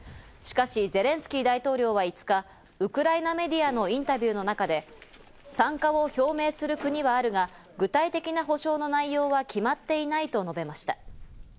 しかしゼレンスキー大統領は５日、ウクライナメディアのインタビューの中で、参加を表明する国はあるが、具体的な保証の内容は決まっていないと述べました。